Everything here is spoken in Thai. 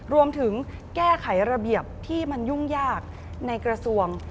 รวมถึงแก้ไขระเบียบที่มันยุ่งยากในกระทรวง